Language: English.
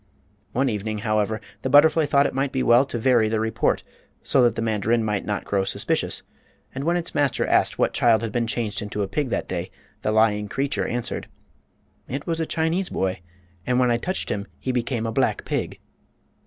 One evening, however, the butterfly thought it might be well to vary the report, so that the mandarin might not grow suspicious; and when its master asked what child had been had been changed into a pig that day the lying creature answered: "It was a Chinese boy, and when I touched him he became a black pig."